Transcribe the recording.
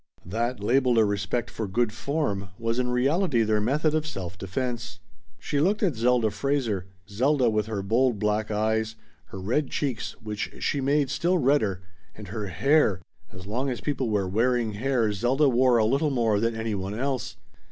That labeled a respect for good form was in reality their method of self defense. She looked at Zelda Fraser Zelda with her bold black eyes, her red cheeks which she made still redder and her hair as long as people were "wearing" hair Zelda wore a little more than any one else.